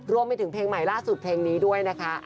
รวมไปถึงเพลงใหม่ล่าสุดเพลงนี้ด้วยนะคะ